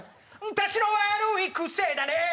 「たちの悪いくせだね」